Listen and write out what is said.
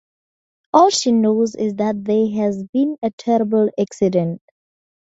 All she knows is that there has been a terrible accident.